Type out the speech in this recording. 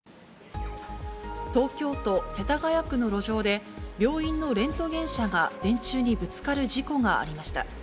東京都世田谷区の路上で、病院のレントゲン車が電柱にぶつかる事故がありました。